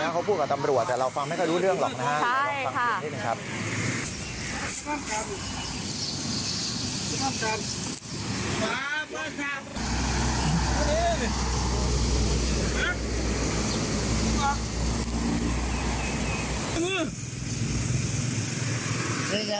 พวกเขาพูดกับตำรวจแต่เราฟังไม่ได้รู้เรื่องหรอกนะใช่ค่ะ